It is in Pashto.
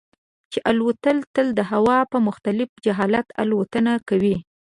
چې الوتکه تل د هوا په مخالف جهت الوتنه کوي.